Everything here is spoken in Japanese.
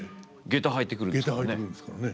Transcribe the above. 下駄履いてくるんですからね。